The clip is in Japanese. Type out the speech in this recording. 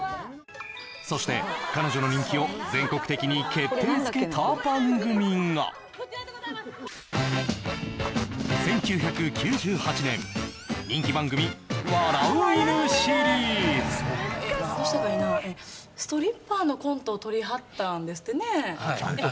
そして、彼女の人気を全国的に決定づけた番組が１９９８年、人気番組、「笑う犬」シリーズ。ストリッパーのコントを撮りはったんやってね。